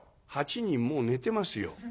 「８人もう寝てますよ」。